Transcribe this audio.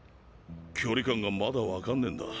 距離感がまだ分かんねぇんだ。